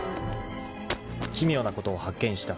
［奇妙なことを発見した。